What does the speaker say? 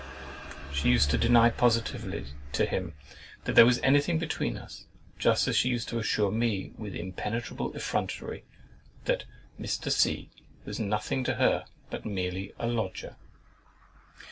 She used to deny positively to him that there was anything between us, just as she used to assure me with impenetrable effrontery that "Mr. C—— was nothing to her, but merely a lodger."